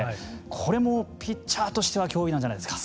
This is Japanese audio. これもピッチャーとしては脅威なんじゃないですか。